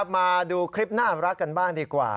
มาดูคลิปน่ารักกันบ้างดีกว่า